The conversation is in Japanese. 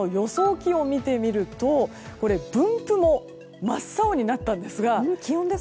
気温を見てみると分布も真っ青になったんですが。